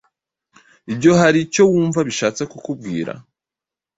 Ibyo hari icyo wumva bishatse kukubwira?